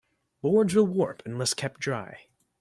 Boards will warp unless kept dry.